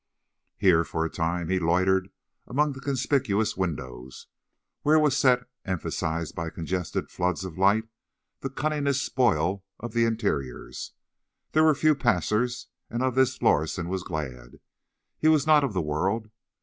Here, for a time, he loitered among the conspicuous windows, where was set, emphasized by congested floods of light, the cunningest spoil of the interiors. There were few passers, and of this Lorison was glad. He was not of the world.